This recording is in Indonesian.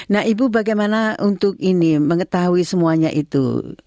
nah ibu bagaimana untuk ini mengetahui semuanya itu